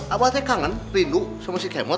abah ternyata kangen rindu sama si kemod